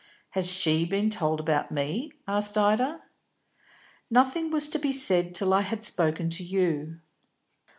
"Has she been told about me?" asked Ida. "Nothing was to be said till I had spoken to you."